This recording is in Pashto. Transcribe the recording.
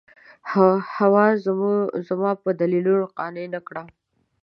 حوا زما په دلیلونو قانع نه کړه.